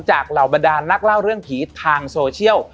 เหล่าบรรดานนักเล่าเรื่องผีทางโซเชียล